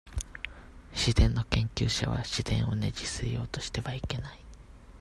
自然の研究者は、自然をねじ伏せようとしてはいけない。